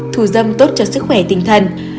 một thủ dâm tốt cho sức khỏe tinh thần